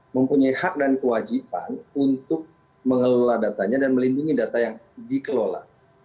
mempunyai hak dan kewajiban untuk mengelola datanya dan melindungi data yang dikelola